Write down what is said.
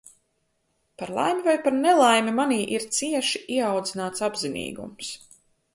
Par laimi vai par nelaimi, manī ir cieši ieaudzināts apzinīgums.